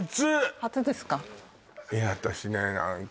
初ですか？